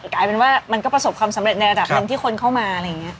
กลายเป็นว่ามันก็ประสบความสำเร็จในระดับหนึ่งที่คนเข้ามา